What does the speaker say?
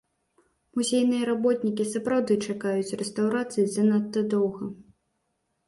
Музейныя работнікі сапраўды чакаюць рэстаўрацыі занадта доўга.